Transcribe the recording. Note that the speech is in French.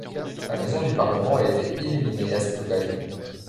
La Maison du Parlement a été illuminée à cette occasion.